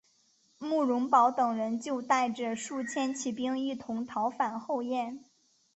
慕容宝等人就带着数千骑兵一同逃返后燕。